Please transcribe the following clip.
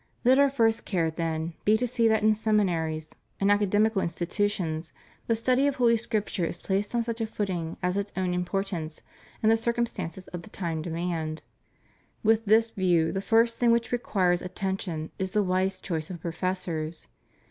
Let our first care, then, be to see that in seminaries and ' 1 Tim. iv. 20. THE STUDY OF HOLY SCRIPTURE. 283 academical institutions the study of Holy Scripture is placed on such a footing as its own importance and the circumstances of the time demand. With this view, the first thing which requires attention is the wise choice of professors.